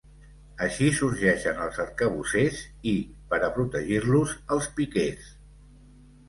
Així sorgeixen els arcabussers i, per a protegir-los, els piquers.